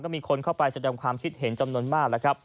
ก็มีคนเข้าไปแสดงความคิดเห็นจำนวนมาก